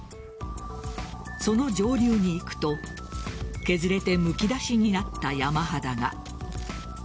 その上流に行くと削れてむき出しになった山肌が。